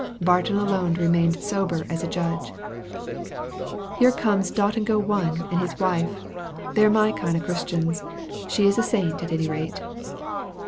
Barton alone remained sober as a judge. "Here comes 'Dot and Go One' and his wife. They're my kind o' Christians. She is a saint, at any rate."